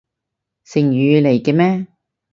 成語嚟嘅咩？